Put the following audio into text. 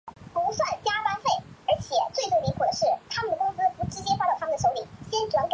越前国的敦贺和拥有众多中国人所居住的博多都是当时重要的贸易据点。